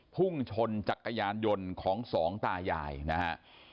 พุ่งชนจักรยานยนต์ของสองตายายนะฮะ